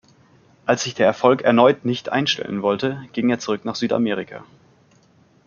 Als sich der Erfolg erneut nicht einstellen wollte, ging er zurück nach Südamerika.